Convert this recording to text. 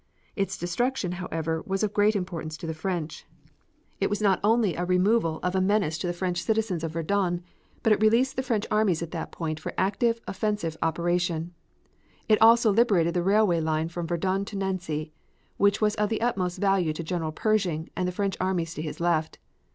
Its destruction, however, was of great importance to the French. It was not only a removal of a menace to the French citizens of Verdun, but it released the French armies at that point for active offensive operation. It also liberated the railway line from Verdun to Nancy, which was of the utmost value to General Pershing and the French armies to his left.